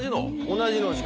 同じのを。